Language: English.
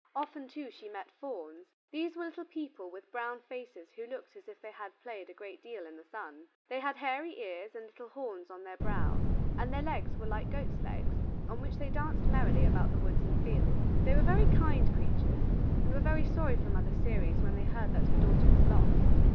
Often, too, she met fauns. These were little people with brown faces who looked as if they had played a great deal in the sun. They had hairy ears and little horns on their brows, and their legs were like goats' legs on which they danced merrily about the woods and fields. They were very kind creatures, and were very sorry for Mother Ceres when they heard that her daughter was lost.